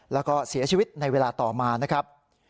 แล้วก็เสียชีวิตในเวลาต่อมานะครับ